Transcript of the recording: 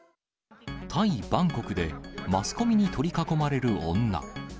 タイ・バンコクで、マスコミに取り囲まれる容疑者。